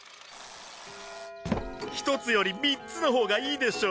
１つより３つのほうがいいでしょ。